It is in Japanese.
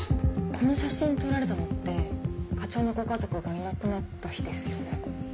この写真撮られたのって課長のご家族がいなくなった日ですよね？